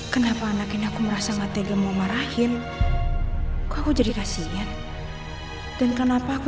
kenapa anak ini aku merasa gak tega mau marahin aku jadi kasian dan kenapa aku